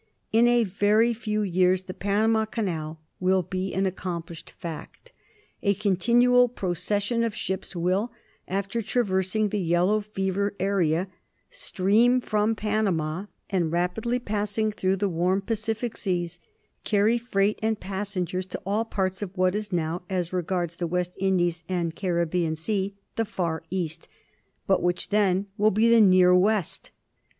In a very few years the Panama Canal will be an accomplished fact. A con tinual procession of ships will, after traversing the yellow fever area, stream from Panama, and rapidly passing through the warm Pacific Seas, carry freight and pas sengers to all parts of what is now, as regards the West Indies and Caribbean Sea, the far East, but which then will be the near West.